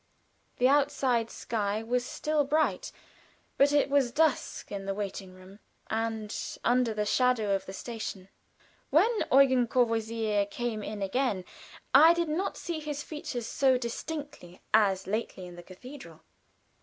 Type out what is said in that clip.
The outside sky was still bright, but it was dusk in the waiting room and under the shadow of the station. When "Eugen Courvoisier" came in again, I did not see his features so distinctly as lately in the cathedral.